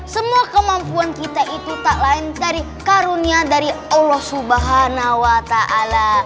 semua kemampuan kita itu tak lain dari karunia dari allah subhanahu wa ta'ala